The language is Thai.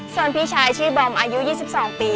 ส่วนพี่ชายชื่อบอมอายุ๒๒ปี